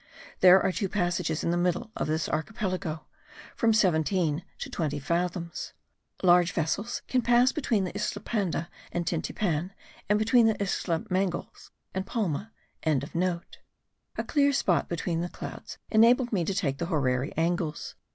There are two passages in the middle of this archipelago, from seventeen to twenty fathoms. Large vessels can pass between the Isla Panda and Tintipan, and between the Isla de Mangles and Palma.) A clear spot between the clouds enabled me to take the horary angles.